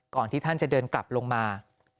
ที่ท่านจะเดินกลับลงมา